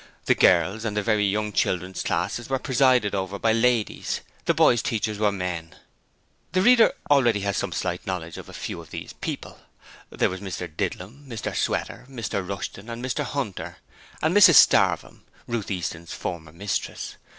The girls' and the very young children's classes were presided over by ladies: the boys' teachers were men. The reader already has some slight knowledge of a few of these people. There was Mr Didlum, Mr Sweater, Mr Rushton and Mr Hunter and Mrs Starvem (Ruth Easton's former mistress).